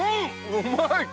うまいっ。